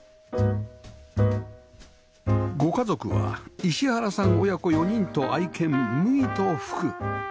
ご家族は石原さん親子４人と愛犬麦と福